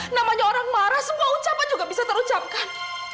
namanya orang marah semua ucapan juga bisa terucapkan